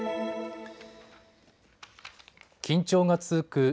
緊張が続く